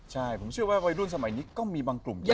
ใช่ผมเชื่อว่าวัยรุ่นสมัยนี้ก็มีบางกลุ่มเยอะ